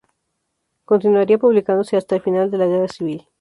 Continuaría publicándose hasta el final de la Guerra civil.